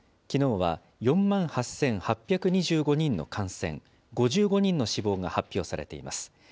きのうは４万８８２５人の感染、５５人の死亡が発表されています。